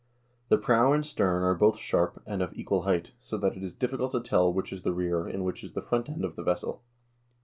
The prow and stern are both sharp and of equal height, so that it is difficult to tell which is the rear, and which is the front end of the vessel.